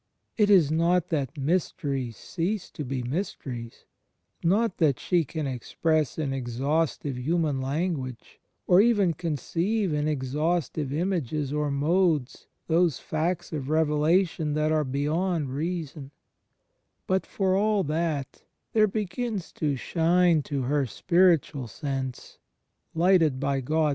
It is not that mysteries cease to be mysteries — not that she can express in exhaustive human language, or even conceive in exhaustive images or modes, those facts of Revelation that are beyond reason — but, for all that, there begins to shine to her spiritual sense, lighted by Go6!